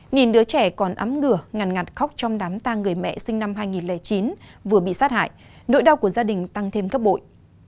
nhìn đứa trẻ còn ấm ngửa ngàn ngặt khóc trong đám tang người mẹ sinh năm hai nghìn chín vừa bị sát hại nỗi đau của gia đình tăng thêm cấp bội